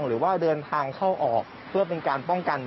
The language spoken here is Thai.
หรือว่าเดินทางเข้าออกเพื่อเป็นการป้องกัน